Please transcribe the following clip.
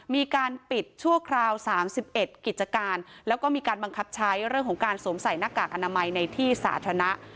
มีการปิดชั่วคราว๓๑กิจการแล้วก็มีการบังคับใช้เรื่องของการสวมใส่หน้ากากอนามัยในที่สาธารณะ